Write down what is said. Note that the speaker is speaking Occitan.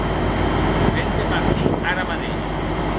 Ven de partir ara madeish.